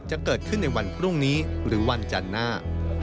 จะเกิดขึ้นในวันพรุ่งนี้หรือวันจันทร์หน้า